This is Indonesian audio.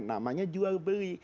namanya jual beli